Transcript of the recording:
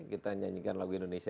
kalau untuk hadiahnya